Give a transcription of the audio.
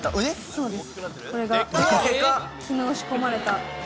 そうです。